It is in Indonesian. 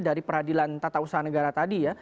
dari peradilan tata usaha negara tadi ya